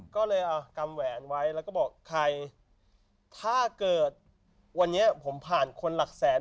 ก็เลยเอากำแหวนไว้แล้วก็บอกใครถ้าเกิดวันนี้ผมผ่านคนหลักแสน